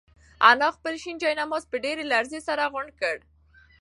انا خپل شین جاینماز په ډېرې لړزې سره غونډ کړ.